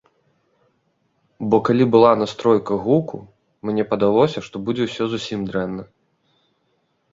Бо калі была настройка гуку, мне падалося, што будзе ўсё зусім дрэнна.